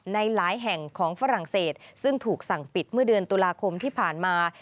ในหลายแห่งของฝรั่งเศสซึ่งถูกสั่งปิดเมื่อเดือนตุลาคมที่ผ่านมา